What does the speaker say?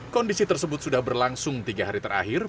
kondisi tersebut sudah berlangsung tiga hari terakhir